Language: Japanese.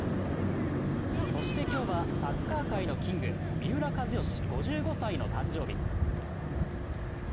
そして今日はサッカー界のキング、三浦知良５５歳の誕生日。